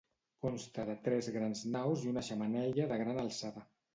Consta de tres grans naus i una xemeneia de gran alçada.